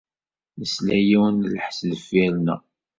Nesla i yiwen n lḥess deffir-neɣ.